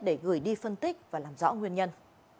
để gửi đi phân tích và làm rõ nguyên nhân